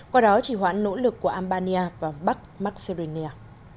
qua đó chỉ hoãn nỗ lực của albania và bắc macedonia